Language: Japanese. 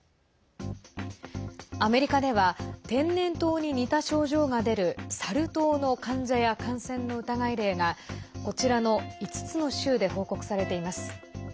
アメリカでは天然痘に似た症状が出るサル痘の患者や感染の疑い例がこちらの５つの州で報告されています。